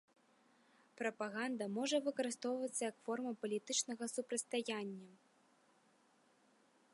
Прапаганда можа выкарыстоўвацца як форма палітычнага супрацьстаяння.